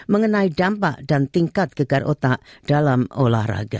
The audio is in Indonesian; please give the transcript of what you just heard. mengenai dampak dan tingkat gegar otak dalam olahraga